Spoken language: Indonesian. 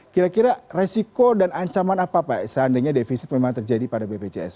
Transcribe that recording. kira kira resiko dan ancaman apa pak seandainya defisit memang terjadi pada bpjs